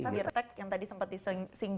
pak birtek yang tadi sempat disinggung